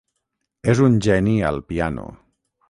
És un geni al piano.